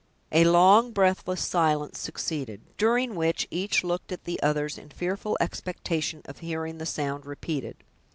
A long, breathless silence succeeded, during which each looked at the others in fearful expectation of hearing the sound repeated.